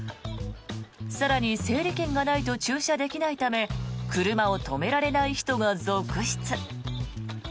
更に整理券がないと駐車できないため車を止められない人が続出。